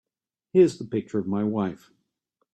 Here's the picture of my wife.